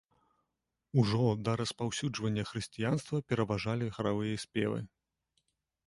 Ужо да распаўсюджвання хрысціянства пераважалі харавыя спевы.